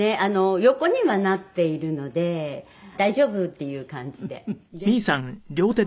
横にはなっているので大丈夫っていう感じで元気です。